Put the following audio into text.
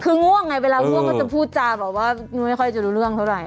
คือง่วงไงเวลาง่วงก็จะพูดจาแบบว่าไม่ค่อยจะรู้เรื่องเท่าไหร